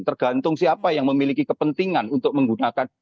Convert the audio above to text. tergantung siapa yang memiliki kepentingan untuk menggunakan